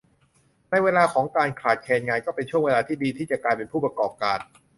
ในเวลาของการขาดแคลนงานก็เป็นช่วงเวลาที่ดีที่จะกลายเป็นผู้ประกอบการ